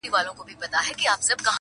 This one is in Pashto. حیرت واخیستی د خدای و هسي کړو ته -